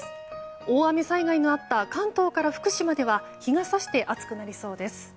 大雨災害があった関東から福島では日が差して暑くなりそうです。